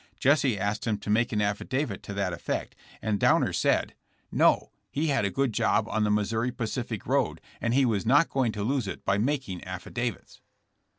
Jesse asked him to make an affidavit to that effect and Downer said, THB TRIAI, FOR TRAIN ROBBKRY. 17 Q *No; he had a good job on the Missouri Pacific road and he was not going to lose it by making affi davits.'